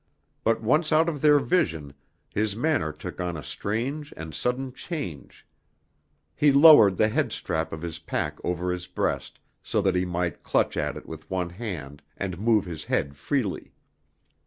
But once out of their vision his manner took on a strange and sudden change. He lowered the head strap of his pack over his breast, so that he might clutch at it with one hand, and move his head freely.